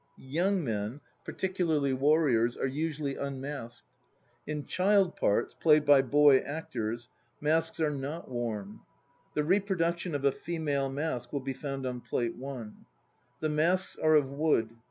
Young men, particularly warriors, are usually unmasked. In child parts (played by boy actors) masks are not worn. The reproduction of a female mask will be found on Plate I. The masks are of wood.